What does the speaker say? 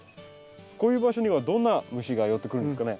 こういう場所にはどんな虫が寄ってくるんですかね？